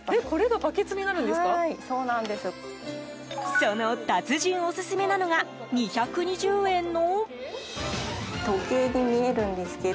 その達人オススメなのが２２０円の。